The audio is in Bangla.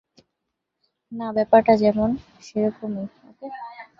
না, ব্যাপারটা যেমন সেরকমই, ওকে?